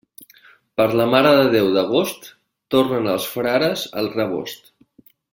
Per la Mare de Déu d'agost, tornen els frares al rebost.